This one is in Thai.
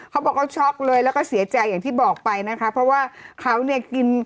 เขาบอกเขาช็อกเลยแล้วก็เสียใจอย่างที่บอกไปนะคะเพราะว่าเขาเนี่ยกิน